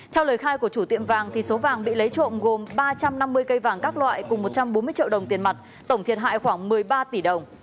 theo lời khai của chủ tiệm vàng số vàng bị lấy trộm gồm ba trăm năm mươi cây vàng các loại cùng một trăm bốn mươi triệu đồng tiền mặt tổng thiệt hại khoảng một mươi ba tỷ đồng